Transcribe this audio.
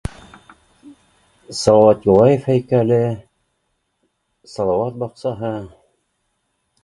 Салауат Юлаев һәйкәле, Салауат баҡсаһы